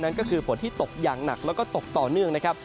ก็คือฝนที่ตกอย่างหนักแล้วก็ตกต่อเนื่องนะครับ